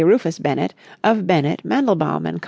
Rufus Bennett of Bennett, Mandelbaum and Co.".